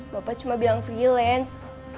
bapak cuma bilang freelance